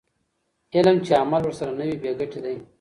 علم چې عمل ورسره نه وي بې ګټې دی.